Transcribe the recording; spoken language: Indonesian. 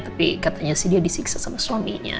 tapi katanya si dia disiksa sama suaminya